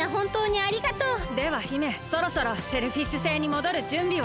では姫そろそろシェルフィッシュ星にもどるじゅんびを。